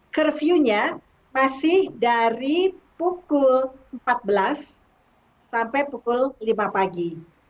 curfew nya masih dari pukul empat belas sampai pukul lima pagi